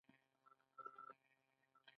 هغوی د سمندر په خوا کې تیرو یادونو خبرې کړې.